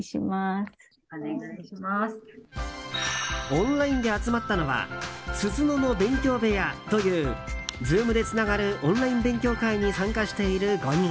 オンラインで集まったのはＳｕｚｕｎｏの勉強部屋というＺｏｏｍでつながるオンライン勉強会に参加している５人。